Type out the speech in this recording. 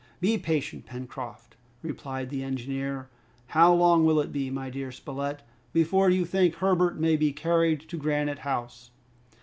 "Be patient, Pencroft," replied the engineer. "How long will it be, my dear Spilett, before you think Herbert may be carried to Granite House?"